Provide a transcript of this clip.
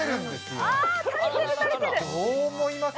どう思います？